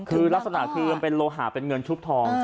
คือลักษณะคือมันเป็นโลหะเป็นเงินชุบทอง